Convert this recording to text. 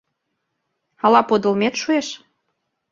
Ала подылмет шуэш?